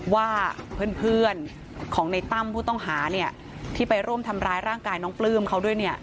ว่าเพื่อนของในตั้มผู้ต้องหาเนี่ยที่ไปร่วมทำร้ายร่างกายน้องปลื้มเขาด้วยเนี่ย